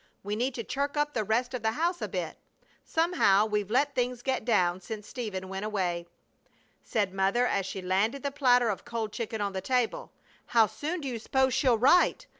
We need to chirk up the rest of the house a bit. Somehow we've let things get down since Stephen went away." Said Mother, as she landed the platter of cold chicken on the table, "How soon do you s'pose she'll write?